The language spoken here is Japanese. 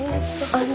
あの。